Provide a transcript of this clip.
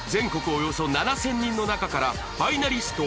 およそ７０００人の中からファイナリスト９名が決定